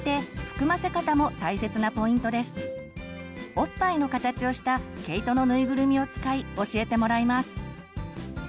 おっぱいの形をした毛糸の縫いぐるみを使い教えてもらいます。